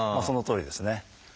そのとおりですね。